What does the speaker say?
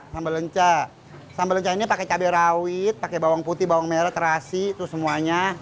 sambal lelenca ini pakai cabai rawit pakai bawang putih bawang merah terasi itu semuanya